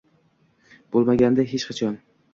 Bo’lmagandi hech qachon.